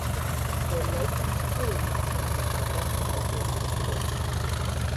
Their latest film was a box office success.